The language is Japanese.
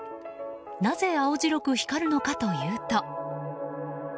なぜ青白く光るのかというと。